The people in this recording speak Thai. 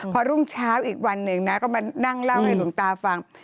พอรุ่งเช้าอีกวันหนึ่งนะก็มานั่งเล่าให้หลวงตาฟัง